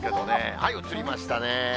はい、映りましたね。